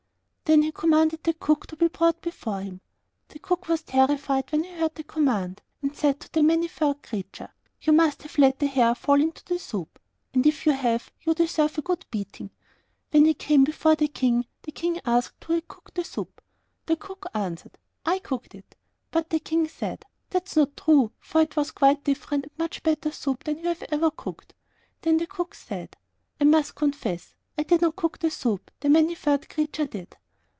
Then he commanded the cook to be brought before him. The cook was terrified when he heard the command, and said to the Many furred Creature, 'You must have let a hair fall into the soup, and if you have you deserve a good beating!' When he came before the King, the King asked who had cooked the soup. The cook answered, 'I cooked it.' But the King said, 'That's not true, for it was quite different and much better soup than you have ever cooked.' Then the cook said, 'I must confess; I did not cook the soup; the Many furred Creature did.